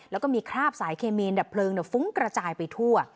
แล้วก็มีคราบสายเคมีดับเพลิงฟุ้งกระจายไปทั่ว